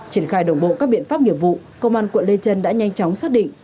triển khai đồng bộ các biện pháp nghiệp vụ công an quận lê trân đã nhanh chóng xác định